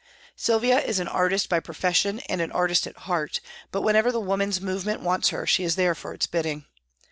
Sylvia is an artist by profession and an artist at heart, but when ever the women's movement wants her she is there for its bidding.